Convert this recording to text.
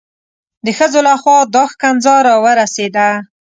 د ښځو لخوا دا ښکنځا را ورسېده.